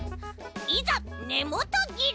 いざねもとぎり！